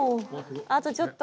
あとちょっと。